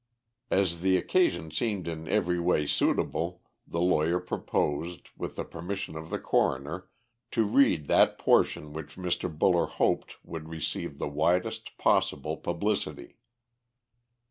As the occasion seemed in every way suitable, the lawyer proposed, with the permission of the coroner, to read that portion which Mr. Buller hoped would receive the widest possible publicity.